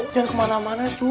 jangan kemana mana cu